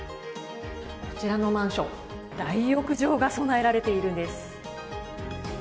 こちらのマンション大浴場が供えられているんです。